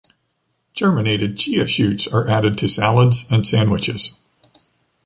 Germinated chia shoots are added to salads and sandwiches.